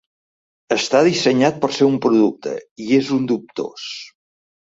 Està dissenyat per ser un producte, i és un dubtós.